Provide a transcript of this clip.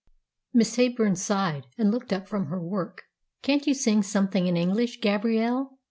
Miss Heyburn sighed, and looked up from her work. "Can't you sing something in English, Gabrielle?